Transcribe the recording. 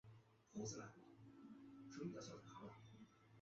西域山雀为山雀科山雀属的鸟类。